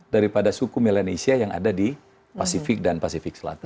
daripada suku melanesia yang ada di pasifik dan pasifik selatan